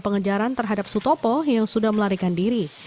pengejaran terhadap sutopo yang sudah melarikan diri